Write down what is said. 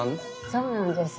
そうなんです。